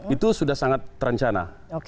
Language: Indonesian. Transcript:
itu sudah sangat terancana